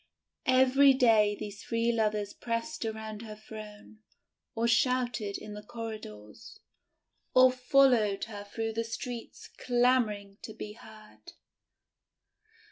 Every day these three lovers pressed around her throne, or shouted in the corridors, or fol 68 THE WONDER GARDEN lowed her through the streets clamouring to be heard.